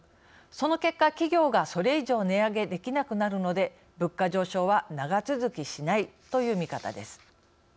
その結果、企業がそれ以上値上げできなくなるので物価上昇は長続きしないという見方です。